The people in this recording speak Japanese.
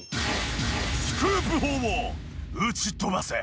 スクープ砲を撃ち飛ばせ！